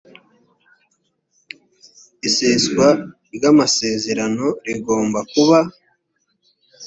iseswa ryamasezerano rigomba kuba.